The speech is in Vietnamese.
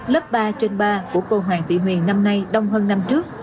lớp ba trên ba của cô hoàng thị huyền năm nay đông hơn năm trước